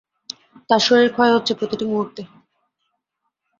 তাঁর শরীর ক্ষয় হচ্ছে প্রতিটি মুহুর্তে।